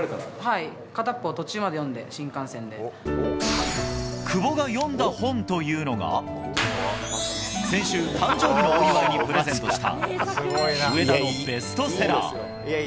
はい、片っぽ、途中まで読ん久保が読んだ本というのが。先週、誕生日のお祝いにプレゼントした、上田のベストセラー。